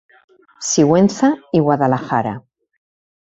Sigüenza i Guadalajara.